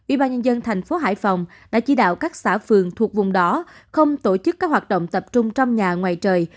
ubnd tp hải phòng đã chỉ đạo các xã phường thuộc vùng đó không tổ chức các hoạt động tập trung trong nhà ngoài trời